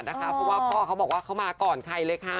เพราะว่าพ่อเขาบอกว่าเขามาก่อนใครเลยค่ะ